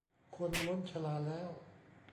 คนล้นชลาแล้ว